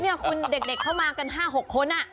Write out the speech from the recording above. นี่คุณเด็กเข้ามากัน๕๖คน